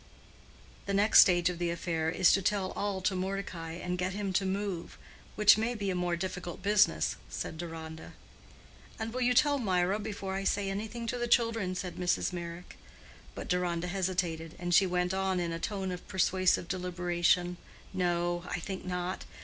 "The next stage of the affair is to tell all to Mordecai, and get him to move—which may be a more difficult business," said Deronda. "And will you tell Mirah before I say anything to the children?" said Mrs. Meyrick. But Deronda hesitated, and she went on in a tone of persuasive deliberation—"No, I think not.